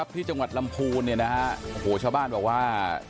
ที่จังหวัดลำพูนชาวบ้านบอกว่า